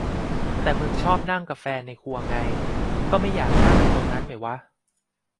แต่มึงชอบนั่งกะแฟนในครัวไง~~ ก็ไม่อยากนั่งอยู่ตรงนั้นไหมวะ